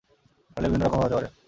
Model বিভিন্ন রকমের হতে পারে।